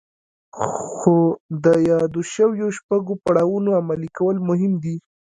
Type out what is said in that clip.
خو د يادو شويو شپږو پړاوونو عملي کول مهم دي.